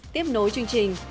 tiếp nối chương trình